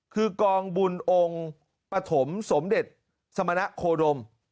คือกองบุญองค์ปฐมสมเด็จสมณะโคดม